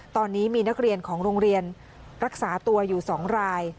ตอนนี้มีนักเรียนของโรงเรียนรักษาตัวอยู่๒ราย